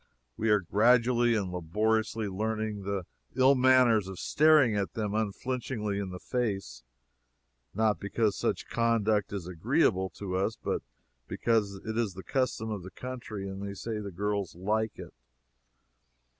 We are gradually and laboriously learning the ill manners of staring them unflinchingly in the face not because such conduct is agreeable to us, but because it is the custom of the country and they say the girls like it.